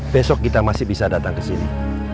besok kita masih bisa datang kesini